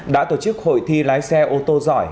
đã tổ chức hội thi lái xe ô tô giỏi